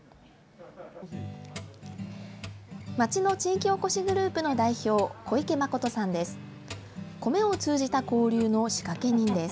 町の地域おこしグループの代表小池良さんです。